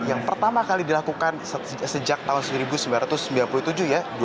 yang pertama kali dilakukan sejak tahun seribu sembilan ratus sembilan puluh tujuh ya